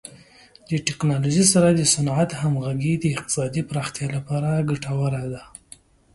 د ټکنالوژۍ سره د صنعت همغږي د اقتصادي پراختیا لپاره ګټوره ده.